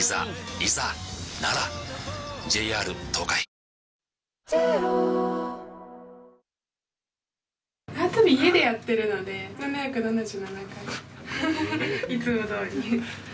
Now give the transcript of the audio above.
縄跳び、家でやってるので、７７７回、いつもどおりに。